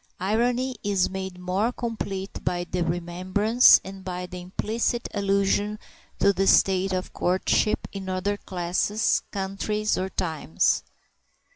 Irony is made more complete by the remembrance, and by an implicit allusion to the state of courtship in other classes, countries, or times.